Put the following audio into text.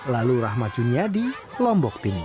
lalu rahmat juniadi lombok timur